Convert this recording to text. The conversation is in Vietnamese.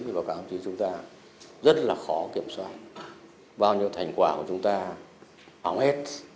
thì báo cáo cho chúng ta rất là khó kiểm soát bao nhiêu thành quả của chúng ta bóng hết